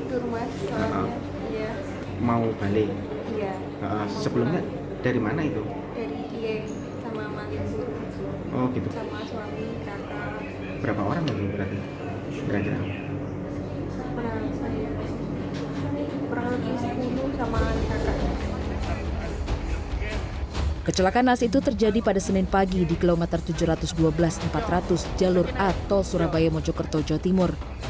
kecelakaan dalam kecelakaan terjadi pada senin pagi di klaumatar tujuh ratus dua belas empat ratus jalur a tol surabaya mojokerto jawa timur